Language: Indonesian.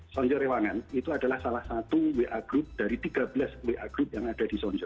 sonjo rewangan itu adalah salah satu wa group dari tiga belas wa group yang ada di sonjo